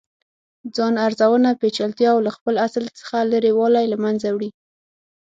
ځان ارزونه پیچلتیا او له خپل اصل څخه لرې والې له منځه وړي.